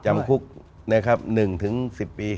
จำคุก๑๑๐ปี